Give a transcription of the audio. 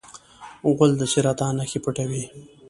غول د سرطان نښې پټوي.